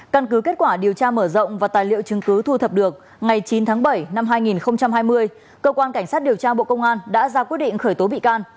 căn cứ kết quả điều tra mở rộng và tài liệu chứng cứ thu thập được ngày chín tháng bảy năm hai nghìn hai mươi cơ quan cảnh sát điều tra bộ công an đã ra quyết định khởi tố bị can